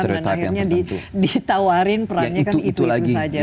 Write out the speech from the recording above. dan akhirnya ditawarin perannya kan itu itu saja